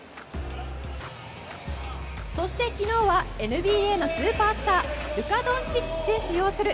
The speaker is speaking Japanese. そして、昨日はＮＢＡのスーパースタールカ・ドンチッチ選手擁する